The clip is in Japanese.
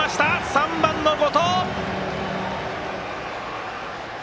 ３番の後藤！